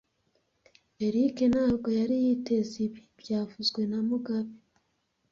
Eric ntabwo yari yiteze ibi byavuzwe na mugabe